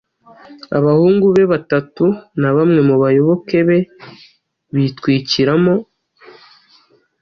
abahungu be batatu na bamwe mu bayoboke be bitwikiramo.